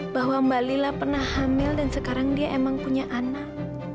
bahwa mbak lila pernah hamil dan sekarang dia emang punya anak